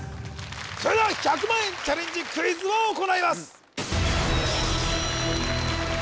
それでは１００万円チャレンジクイズを行います